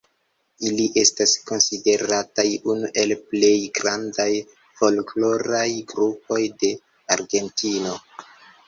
Ili estas konsiderataj unu el plej grandaj folkloraj grupoj de Argentino.